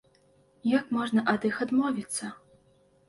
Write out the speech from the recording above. Як можна ад іх адмовіцца?